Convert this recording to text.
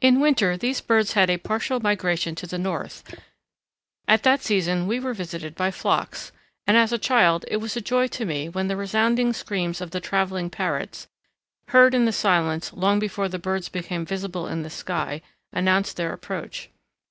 In winter these birds had a partial migration to the north: at that season we were visited by flocks, and as a child it was a joy to me when the resounding screams of the travelling parrots, heard in the silence long before the birds became visible in the sky, announced their approach.